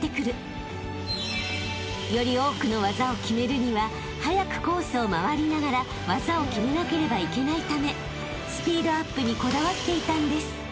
［より多くの技を決めるには速くコースを回りながら技を決めなければいけないためスピードアップにこだわっていたんです］